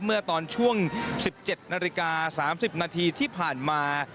เมื่อตอนช่วง๑๗นาฬิกา๓๐นาทีที่ผ่านมา